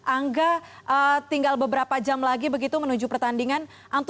angga tinggal beberapa jam lagi begitu menuju pertandingan